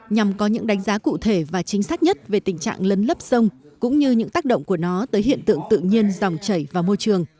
nhằm có những đánh giá cụ thể và chính xác nhất về tình trạng lấn lấp sông cũng như những tác động của nó tới hiện tượng tự nhiên dòng chảy vào môi trường